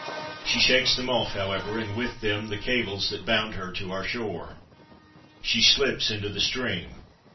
She shakes them off, however, and with them the cables that bound her to our shore. She slips into the stream.